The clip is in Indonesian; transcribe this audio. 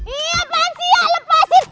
iya bansi ya lepasin